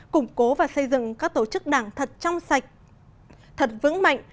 củng cố và xây dựng các tổ chức đảng thật trong sạch thật vững mạnh